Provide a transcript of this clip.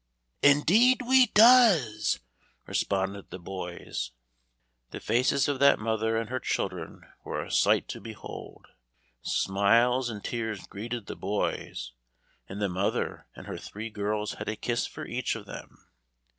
"Indeed we does!" responded the boys. The faces of that mother and her children were a sight to behold. Smiles and tears greeted the boys, and the mother and her three girls had a kiss for each of them.